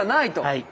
はい。